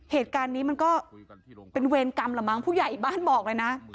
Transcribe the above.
เหตุการณ์นี้มันก็เป็นเวรกรรมละมั้งผู้ใหญ่บ้านบอกเลยนะ